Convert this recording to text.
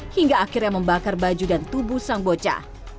hingga akhirnya membakar baju dan tubuh sang bocah